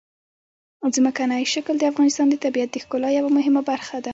ځمکنی شکل د افغانستان د طبیعت د ښکلا یوه مهمه برخه ده.